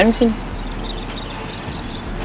erg lu ngapain sih